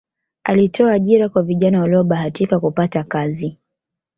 alitoa ajira kwa vijana waliyobahatika kupata kazi